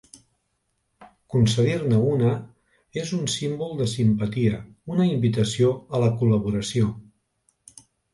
Concedir-ne una és un símbol de simpatia, una invitació a la col·laboració.